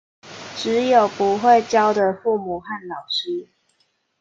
只有不會教的父母和老師